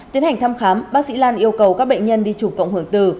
tiến hành thăm khám bác sĩ lan yêu cầu các bệnh nhân đi chụp cộng hưởng từ